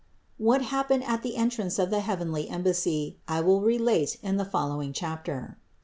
What happened at the entrance of the heavenly embassy, I will relate in the following chapter.